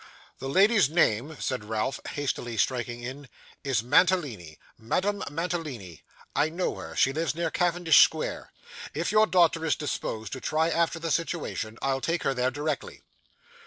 'The lady's name,' said Ralph, hastily striking in, 'is Mantalini Madame Mantalini. I know her. She lives near Cavendish Square. If your daughter is disposed to try after the situation, I'll take her there directly.